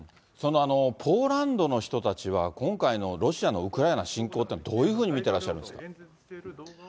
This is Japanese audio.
そのポーランドの人たちは、今回のロシアのウクライナ侵攻というのは、どういうふうに見てらっしゃいますか。